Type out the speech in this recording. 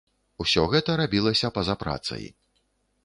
Усё гэта рабілася па-за працай.